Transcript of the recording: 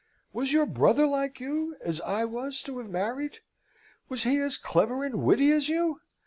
Was your brother like you, as I was to have married? Was he as clever and witty as you?